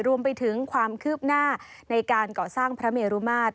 รวมไปถึงความคืบหน้าในการก่อสร้างพระเมรุมาตร